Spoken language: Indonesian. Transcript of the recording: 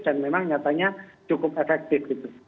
dan memang nyatanya cukup efektif gitu